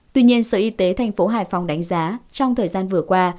tuy nhiên sở y tế thành phố hải phòng đánh giá trong thời gian vừa qua